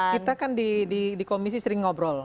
kita kan di komisi sering ngobrol